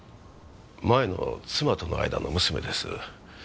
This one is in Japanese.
前の妻との間の娘です。